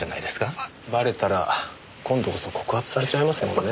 バレたら今度こそ告発されちゃいますもんね。